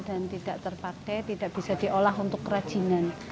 dan tidak terpakai tidak bisa diolah untuk kerajinan